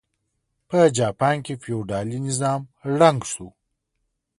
په جاپان کې فیوډالي نظام ړنګ شو.